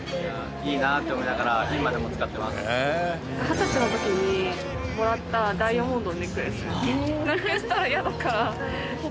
二十歳の時にもらったダイヤモンドのネックレス。